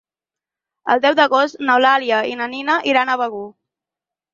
El deu d'agost n'Eulàlia i na Nina iran a Begur.